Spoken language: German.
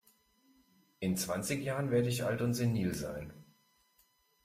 In zwanzig Jahren werde ich alt und senil sein.